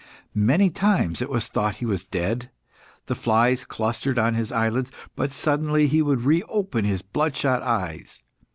Many times it was thought he was dead; the flies clustered on his eyelids, but suddenly he would reopen his bloodshot eyes.